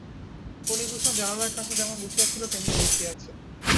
ফণিভূষণ জানলার কাছে যেমন বসিয়া ছিল তেমনি বসিয়া আছে।